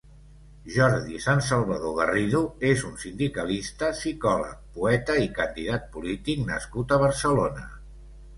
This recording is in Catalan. Jordi Sansalvador Garrido és un sindicalista, psicòleg, poeta i candidat polític nascut a Barcelona.